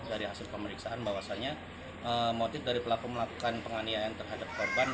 dari hasil pemeriksaan bahwasannya motif dari pelaku melakukan penganiayaan terhadap korban